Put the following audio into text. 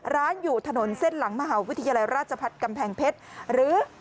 ร้านอยู่ถนนเส้นหลังมหาวิทยาลัยราชพัฒน์กำแพงเพชรหรือ